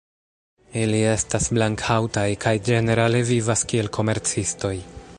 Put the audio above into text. Ili estas blank-haŭtaj kaj ĝenerale vivas kiel komercistoj.